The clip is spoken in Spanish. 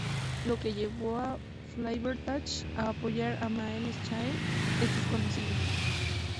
Lo que llevó a Flaithbertach a apoyar a Máel Sechnaill es desconocido.